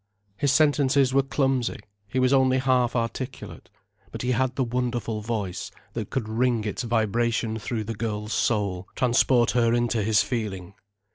His sentences were clumsy, he was only half articulate. But he had the wonderful voice, that could ring its vibration through the girl's soul, transport her into his feeling.